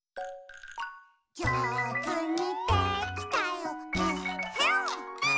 「じょうずにできたよえっへん」